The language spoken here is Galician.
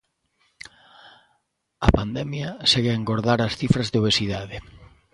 A pandemia segue a engordar as cifras de obesidade.